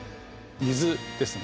水ですね。